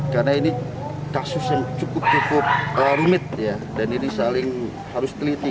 karena ini kasus yang cukup cukup rumit dan ini saling harus teliti